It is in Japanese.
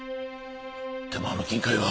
でもあの金塊は。